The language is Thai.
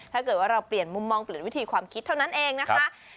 ถ้าเกิดว่าเราเปลี่ยนมุมมองเปลี่ยนวิธีความคิดเท่านั้นเองนะคะ